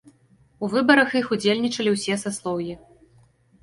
У выбарах іх удзельнічалі ўсе саслоўі.